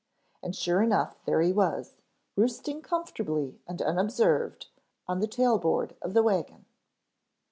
And sure enough there he was, roosting comfortably and unobserved on the tail board of the wagon.